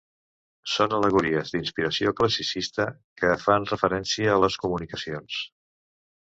Són al·legories d'inspiració classicista que fan referència a les comunicacions.